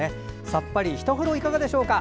さっぱり、ひと風呂はいかがでしょうか。